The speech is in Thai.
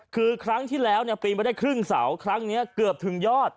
คือครั้งที่แล้วปีนมาได้ครึ่งเสาครั้งนี้เกือบถึงยอด